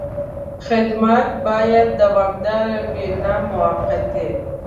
خدمت باید دوامداره وي، نه موقتي.